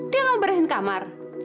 dia mau beresin kamar